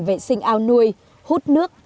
vệ sinh ao nuôi hút nước